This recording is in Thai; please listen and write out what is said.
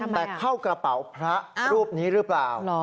แต่เข้ากระเป๋าพระรูปนี้หรือเปล่า